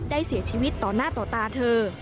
เสียชีวิตต่อหน้าต่อตาเธอ